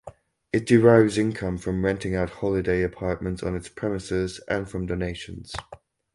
It derives income from renting out holiday apartments on its premises and from donations.